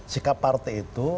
sikap partai itu